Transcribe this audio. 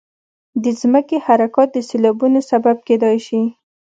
د ځمکې حرکات د سیلابونو سبب کېدای شي.